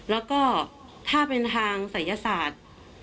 แล้วก็ถ้าเป็นทางศัยศาสตร์